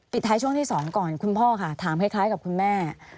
ท้ายช่วงที่๒ก่อนคุณพ่อค่ะถามคล้ายกับคุณแม่